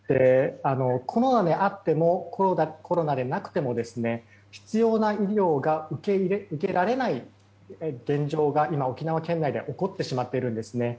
コロナであってもコロナでなくても必要な医療が受けられない現状が今、沖縄県内で起こってしまっているんですね。